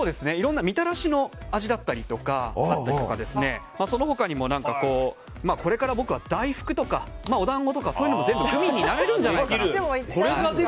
みたらしの味だったりとかその他にもこれから僕は大福とかお団子とかそういうのも全部グミになれるんじゃないかと。